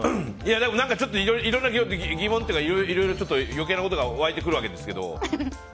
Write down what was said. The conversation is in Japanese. でも、いろんな疑問とか余計なことが湧いてくるわけですけど。